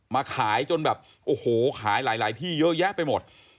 มาขายจนแบบโอ้โหขายหลายที่เยอะแยะไปหมด